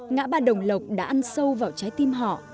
ngã ba đồng lộc đã ăn sâu vào trái tim họ